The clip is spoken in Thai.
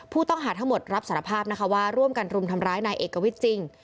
ผู้ต้องหาทั้งหมดรับสารภาพนะคะว่าร่วมกันรุมทำร้ายนายเอกวิทย์จริง